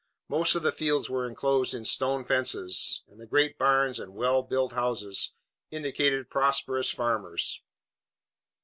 Most of the fields were enclosed in stone fences, and the great barns and well built houses indicated prosperous farmers.